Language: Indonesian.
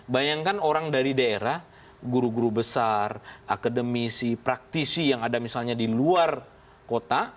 bayangkan orang dari daerah guru guru besar akademisi praktisi yang ada misalnya di luar kota